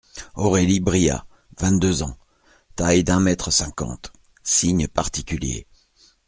Aurélie Briat, — vingt-deux ans, — taille d'un mètre cinquante ; signes particuliers …